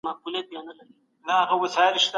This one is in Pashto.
او یوازي به اوسیږي په تیاره توره نړۍ کي